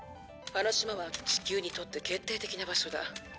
「あの島は地球にとって決定的な場所だ」